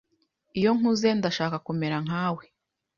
Iyo nkuze ndashaka kumera nkawe